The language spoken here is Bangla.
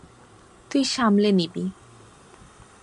তুই সামলে নিবি।